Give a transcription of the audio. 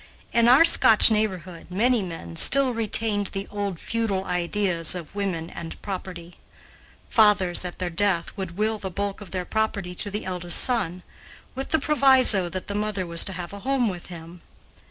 In our Scotch neighborhood many men still retained the old feudal ideas of women and property. Fathers, at their death, would will the bulk of their property to the eldest son, with the proviso that the mother was to have a home with him.